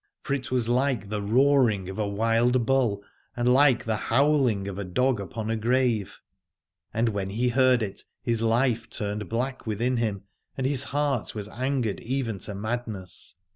For it was like the roaring of a wild bull and like the howling of a dog upon a grave : and when he heard it his life turned black within him and his heart was angered even to madness.